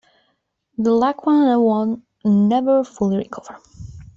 The Lackawanna would never fully recover.